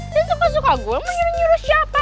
dia suka suka gue mau nyuruh nyuruh siapa